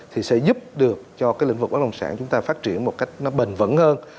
thì sẽ giúp được cho cái lĩnh vực bất động sản chúng ta phát triển một cách nó bền vững hơn